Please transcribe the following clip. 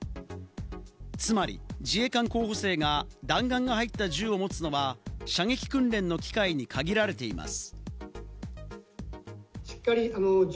つまり自衛官候補生が弾丸の入った銃を持つのは、射撃訓練の機会に限られています。